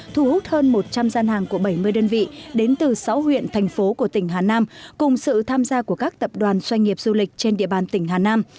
thu hút hơn một trăm linh gian hàng của bảy mươi đơn vị đến từ sáu huyện thành phố của tỉnh hà nam cùng sự tham gia của các tập đoàn doanh nghiệp du lịch trên địa bàn tỉnh hà nam